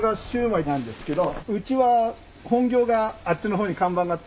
うちは本業があっちの方に看板があって。